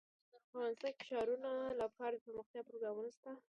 افغانستان کې د ښارونه لپاره دپرمختیا پروګرامونه شته.